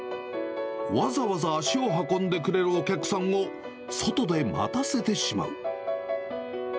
わざわざ足を運んでくれるお客さんを外で待たせてしまう。